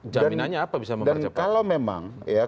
jaminannya apa bisa mempercepat